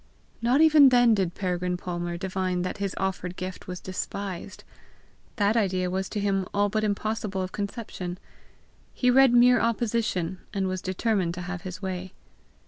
Not even then did Peregrine Palmer divine that his offered gift was despised; that idea was to him all but impossible of conception. He read merely opposition, and was determined to have his way.